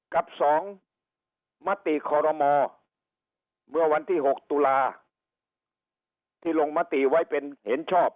กับ๒มติคอรมอเมื่อวันที่๖ตุลาที่ลงมติไว้เป็นเห็นชอบ